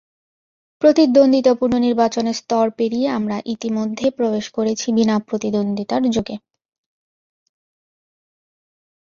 প্রতিদ্বন্দ্বিতাপূর্ণ নির্বাচনের স্তর পেরিয়ে আমরা ইতিমধ্যে প্রবেশ করেছি বিনা প্রতিদ্বন্দ্বিতার যুগে।